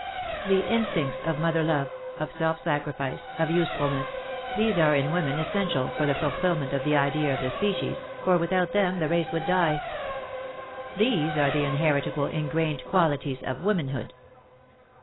The instincts of mother love, of self sacrifice, of usefulness, these are in Woman essential for the fulfilment of the Idea of the Species, for without them the race would die. These are the inheritable, ingrained qtialities of wo?nanhood.